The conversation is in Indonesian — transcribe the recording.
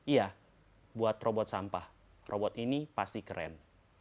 iya buat robot sampah robot ini pasti keren